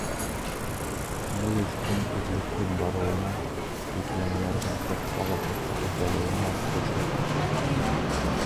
Был эштең өҙлөкһөҙ барыуына, йөкләмәләрҙең ҡыҫҡа ваҡытта үтәлеүенә булышлыҡ итә.